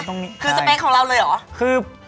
คือสเปคของเราเลยหรือ